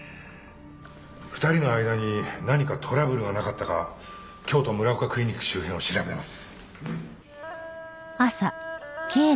２人の間に何かトラブルはなかったか京都ＭＵＲＡＯＫＡクリニック周辺を調べます。